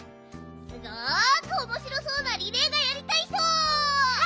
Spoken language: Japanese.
すごくおもしろそうなリレーがやりたいひと！